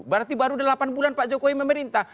berarti baru delapan bulan pak jokowi memerintah